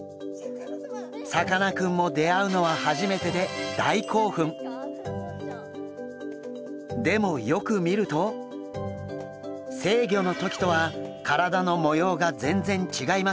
さかなクンも出会うのは初めてででもよく見ると成魚の時とは体の模様が全然違いますよね。